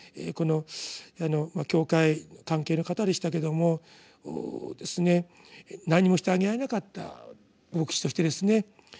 この教会関係の方でしたけども何もしてあげられなかった牧師としてですね。